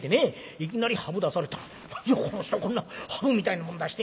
いきなりハブ出されたら「やっこの人こんなハブみたいなもん出して！」